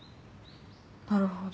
なるほど。